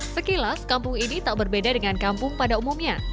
sekilas kampung ini tak berbeda dengan kampung pada umumnya